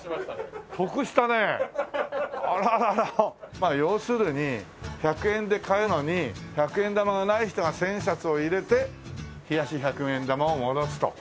まあ要するに１００円で買うのに百円玉がない人が１０００円札を入れて冷やし百円玉を戻すと。